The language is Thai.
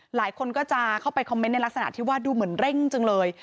หลายคนก็จะเข้าไปคอมเมนต์ในลักษณะที่ว่าดูเหมือนเร่งจังเลย